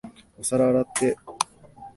お皿洗って。